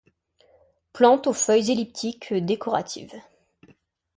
Plante aux feuilles elliptiques décoratives.